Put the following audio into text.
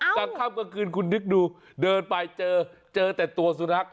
กลางค่ำกลางคืนคุณนึกดูเดินไปเจอเจอแต่ตัวสุนัข